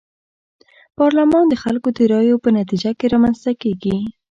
پارلمان د خلکو د رايو په نتيجه کي رامنځته کيږي.